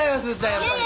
やっぱり。